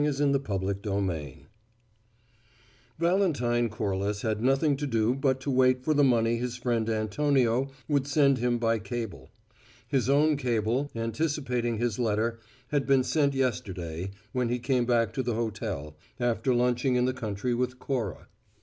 But she was. CHAPTER TWENTY FOUR Valentine Corliss had nothing to do but to wait for the money his friend Antonio would send him by cable. His own cable, anticipating his letter, had been sent yesterday, when he came back to the hotel, after lunching in the country with Cora.